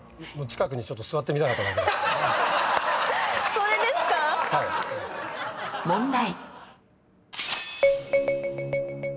それですか⁉問題。